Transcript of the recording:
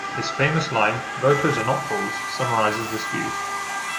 His famous line "Voters are not fools" summarizes this view.